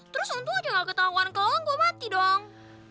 terus untung aja nggak ketauan kau gue mati dong